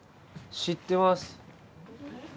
知ってます